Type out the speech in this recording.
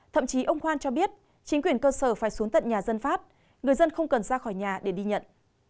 thậm chí ông khoan cho biết chính quyền cơ sở phải xuống tận nhà dân phát người dân không cần ra khỏi nhà để đi nhận